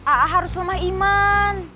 aa harus lemah iman